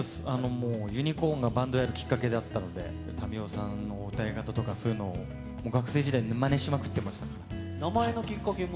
もうユニコーンが、バンドをやるきっかけだったので、民生さんの歌い方とか、そういうのを学生時代にまねしまくってま名前のきっかけは？